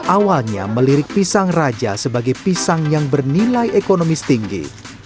awalnya melirik pisang raja sebagai pisang yang bernilai ekonomis tinggi